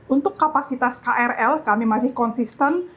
untuk kapasitas krl kami masih konsisten